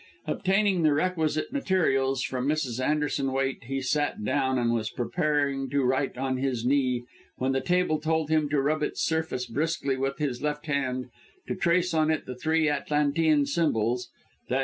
Obtaining the requisite materials from Mrs. Anderson Waite, he sat down and was preparing to write on his knee, when the table told him to rub its surface briskly with his left hand, to trace on it the three Atlantean symbols, _i.